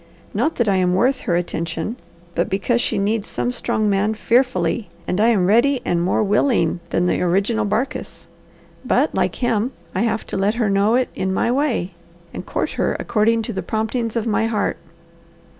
Not that I am worth her attention, but because she needs some strong man fearfully, and I am ready and more 'willing' than the original Barkis. But, like him, I have to let her know it in my way, and court her according to the promptings of my heart."